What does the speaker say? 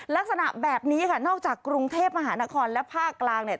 ลักษณะแบบนี้ค่ะนอกจากกรุงเทพมหานครและภาคกลางเนี่ย